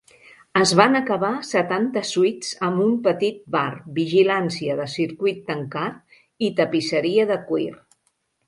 Es van acabar setanta suites amb un petit bar, vigilància de circuit tancat i tapisseria de cuir.